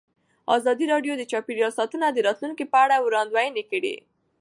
ازادي راډیو د چاپیریال ساتنه د راتلونکې په اړه وړاندوینې کړې.